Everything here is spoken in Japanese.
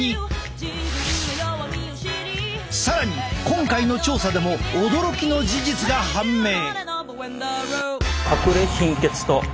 更に今回の調査でも驚きの事実が判明！